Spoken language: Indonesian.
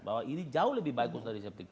bahwa ini jauh lebih bagus dari septic